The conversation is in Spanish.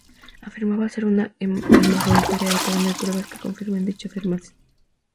Afirmaba ser una hermafrodita real pero no hay pruebas que confirmen dicha afirmación.